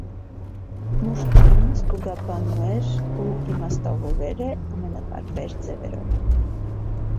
Մուշ անունը ստուգաբանուեր ու իմաստաւորուեր է ամենատարբեր ձեւերով։